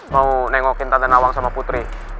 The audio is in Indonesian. mau nengokin tante nawang sama putri